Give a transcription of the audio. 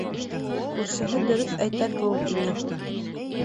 Күршеһе дөрөҫ әйтә кеүек ине.